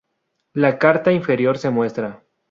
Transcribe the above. La carta inferior se muestra.